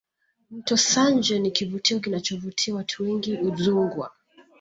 mto sanje ni kivutio kinachovutia watu wengi udzungwa